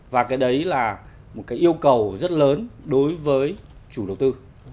và cái đấy là một cái yêu cầu rất lớn đối với chủ đầu tư